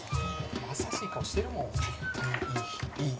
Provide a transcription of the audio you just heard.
優しい顔してるもんいい